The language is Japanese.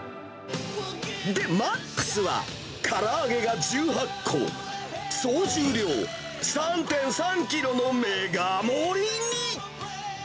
で、マックスは、から揚げが１８個、総重量３．３キロのメガ盛りに。